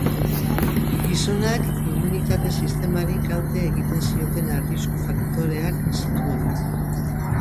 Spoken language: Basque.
Gizonak inmunitate sistemari kalte egiten zioten arrisku faktoreak zituen.